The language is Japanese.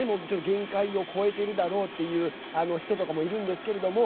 限界を超えているだろうっていう人とかもいるんですけれども。